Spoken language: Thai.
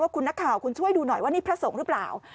คุณนักข่าวคุณช่วยดูหน่อยว่านี่พระสงฆ์หรือเปล่า